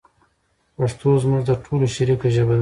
پښتو زموږ د ټولو شریکه ژبه ده.